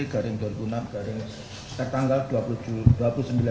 garing dua ribu enam tertanggal